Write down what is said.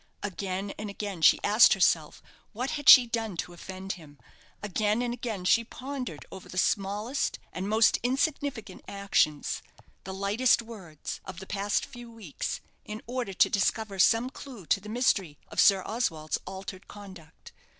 Again and again she asked herself what had she done to offend him; again and again she pondered over the smallest and most insignificant actions the lightest words of the past few weeks, in order to discover some clue to the mystery of Sir Oswald's altered conduct.